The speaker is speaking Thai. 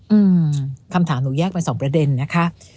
อืมคำถามหนูแยกเป็นสองประเด็นนะคะ